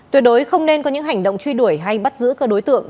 tuyệt đối không nên có những hành động truy đuổi hay bắt giữ các đối tượng